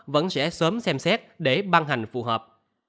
vẫn sẽ sớm xem xét để ban hành phù hợp